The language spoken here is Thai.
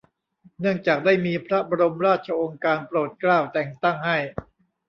เนื่องจากได้มีพระบรมราชโองการโปรดเกล้า แต่งตั้งให้